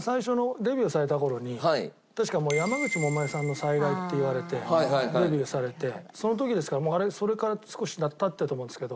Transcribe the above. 確か山口百恵さんの再来って言われてデビューされてその時ですからそれから少し経ってたと思うんですけど。